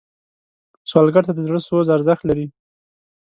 سوالګر ته د زړه سوز ارزښت لري